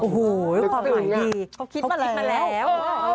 โอ้โหคือไหมละเขาคิดมาแล้ว